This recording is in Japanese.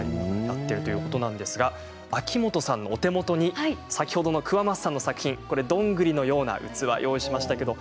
秋元さんのお手元に先ほどの桑升さんの作品どんぐりのような器を用意しました。